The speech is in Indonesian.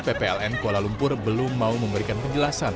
ppln kuala lumpur belum mau memberikan penjelasan